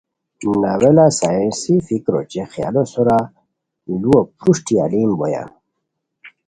ناولہ سائنسی فکر اوچے خیالو سورہ لوؤ پروشٹی الین بویان